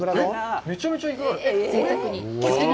めちゃめちゃいくら。